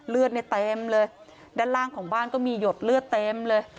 เลือดเนี่ยเต็มเลยด้านล่างของบ้านก็มีหยดเลือดเต็มเลย